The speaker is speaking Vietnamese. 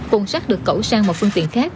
cuộn xác được cẩu sang một phương tiện khác